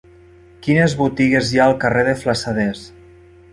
Quines botigues hi ha al carrer de Flassaders?